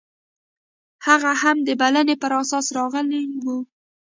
هغه هم د بلنې پر اساس راغلی و.